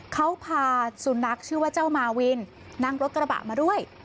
เขาพาสุนัขชื่อว่าเจ้ามาวินนั่งรถกระบะมาด้วย